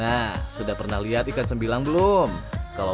agak jauh vuana untuk mata milik ini